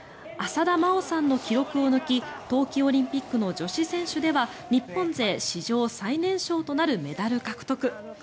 浅田真央さんの記録を抜き冬季オリンピックの女子選手では日本勢史上最年少となるメダル獲得。